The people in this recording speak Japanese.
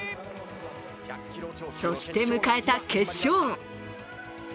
そして迎えた決勝。